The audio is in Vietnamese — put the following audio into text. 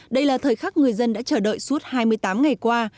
đây là thời khắc người dân đã chờ đợi suốt hai mươi tám ngày qua